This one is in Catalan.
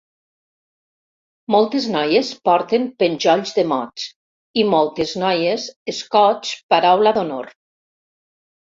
Moltes noies porten penjolls de mots i moltes noies escots paraula d'honor.